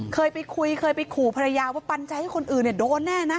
เคยไปคุยเคยไปขู่ภรรยาว่าปันใจให้คนอื่นเนี่ยโดนแน่นะ